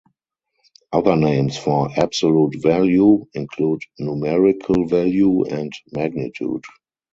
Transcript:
Other names for "absolute value" include "numerical value" and "magnitude".